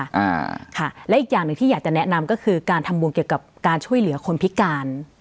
อ่าค่ะและอีกอย่างหนึ่งที่อยากจะแนะนำก็คือการทำบุญเกี่ยวกับการช่วยเหลือคนพิการ